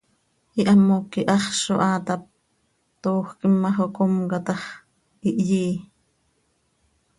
Ihamoc quih haxz zo haa tap, toojöquim ma, xocomca tax, ihyí.